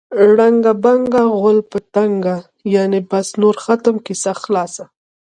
ړنګه بنګه غول په تنګه. یعنې بس نور ختم، کیسه خلاصه.